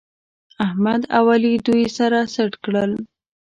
احمد او علي دوی سره سټ کړل